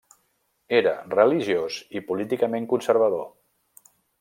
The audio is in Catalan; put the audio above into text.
Era religiós i políticament conservador.